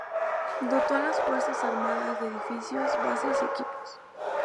Dotó a las Fuerzas Armadas de edificios, bases y equipos.